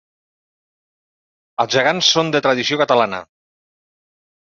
Els gegants són de tradició catalana.